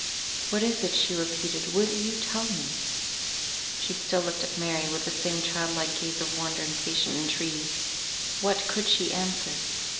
"What is it?" she repeated. "Will you tell me?" She still looked at Mary, with the same child like gaze of wonder and patient entreaty. What could she answer?